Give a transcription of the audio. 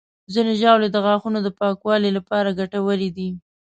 ځینې ژاولې د غاښونو د پاکوالي لپاره ګټورې دي.